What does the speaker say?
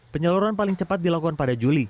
penyaluran paling cepat dilakukan pada juli